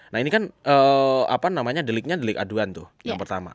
nah ini kan apa namanya deliknya delik aduan tuh yang pertama